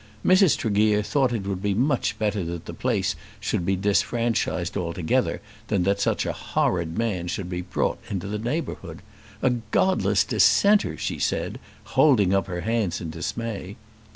Mrs. Tregear thought that it would be much better that the place should be disfranchised altogether than that such a horrid man should be brought into the neighbourhood. "A godless dissenter!" she said, holding up her hands in dismay.